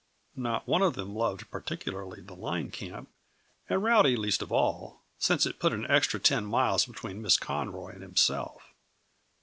Not one of them loved particularly the line camp, and Rowdy least of all, since it put an extra ten miles between Miss Conroy and himself.